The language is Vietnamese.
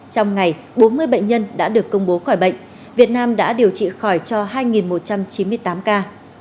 trong ngày bốn mươi bệnh nhân đã được công bố khỏi bệnh việt nam đã điều trị khỏi cho hai một trăm chín mươi tám ca